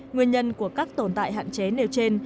nguyên nhân của các tồn tại hạn chế nêu trên